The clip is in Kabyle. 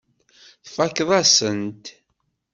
Tfakkeḍ-as-tent.